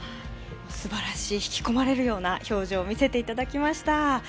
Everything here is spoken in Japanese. すばらしい引き込まれるような表情を見せてもらいました。